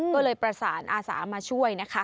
ก็เลยประสานอาสามาช่วยนะคะ